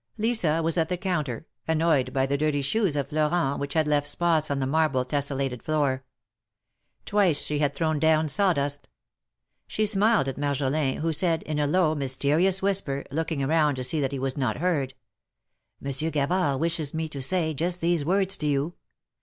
Lisa was at the counter, annoyed by the dirty shoes of Florent, which had left spots on the marble tessellated floor. Twice she had thrown down saw dust. She smiled at Marjolin, who said, in a low, mysterious whisper, looking around to see that he was not heard : '^Monsieur Gavard wishes me to say just these words to you.